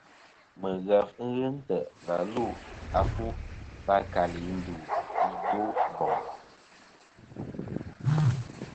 Mɨghef ghɨ ntè' va lu a fu va kali ndu a i Boboŋ.